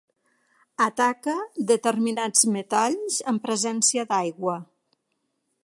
Ataca determinats metalls en presència d'aigua.